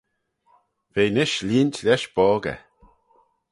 V'eh nish lhieent lesh boggey.